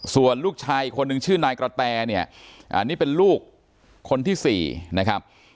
ส่วนลูกชายอีกคนนึงชื่อนายกระแตเนี่ยอันนี้เป็นลูกคนที่๔นะครับ